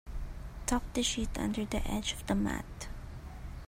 Tuck the sheet under the edge of the mat.